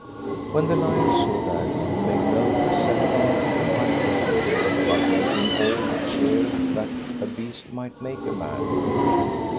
When the lion saw that, he made no resemblaunt to fight with him, but made him all the cheer that a beast might make a man.